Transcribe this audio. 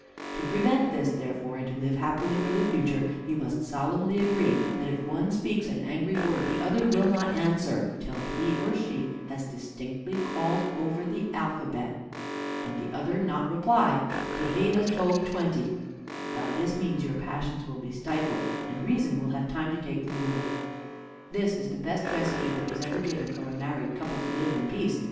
To prevent this, therefore, and to live happily for the future, you must solemnly agree, that if one speaks an angry word, the other will not answer, till he or she has distinctly called over the alphabet, and the other not reply till he has told twenty; by this means your passions will be stifled, and reason will have time to take the rule." This is the best recipe that was ever given for a married couple to live in peace.